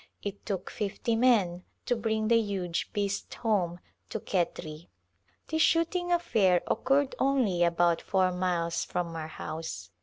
It took fifty men to bring the huge beast home to Khetri. This shooting affair occurred only about four miles from our house.